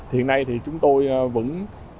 hiện nay chúng tôi vẫn với quy chế tự chủ đó